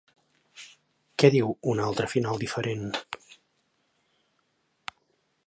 Què diu un altre final diferent?